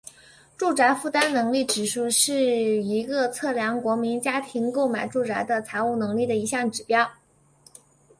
住宅负担能力指数是一个测量国民家庭购买住宅的财务能力的一项指数。